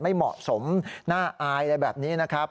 ไม่เหมาะสมน่าอายอะไรแบบนี้นะครับ